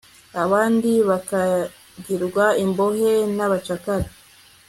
abandi bakagirwa imbohe n abacakara